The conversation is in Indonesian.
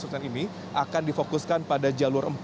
stasiun senen ini akan difokuskan pada jalur empat